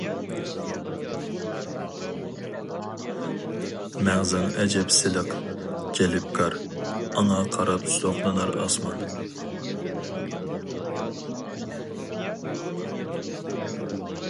مەڭزىڭ ئەجەب سىلىق، جەلپكار ئاڭا قاراپ زوقلىنار ئاسمان.